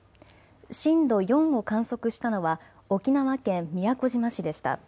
震度４を観測したのは沖縄県宮古島市でした。